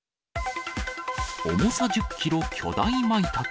重さ１０キロ巨大マイタケ。